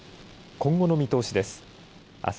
今後の見通しです。